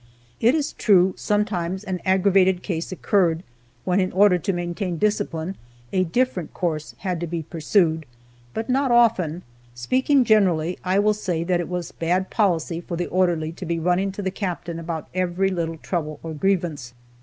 It is true, sometimes an aggravated case occurred when, in order to maintain discipline, a different course had to be pursued, but not often. Speaking generally, I will say that it was bad policy for the orderly to be running to the captain about every little trouble or grievance.